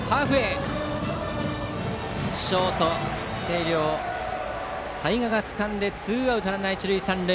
ショートの星稜、齊賀がつかんでツーアウトランナー、一塁三塁。